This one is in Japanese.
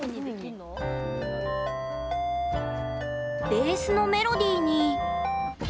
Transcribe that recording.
ベースのメロディーに。